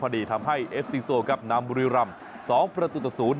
น้ำภูริรัม๒ประตูทศูนย์